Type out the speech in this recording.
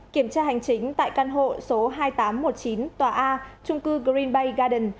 kiểm tra hành chính tại căn hộ số hai nghìn tám trăm một mươi chín tòa a trung cư greenbay garden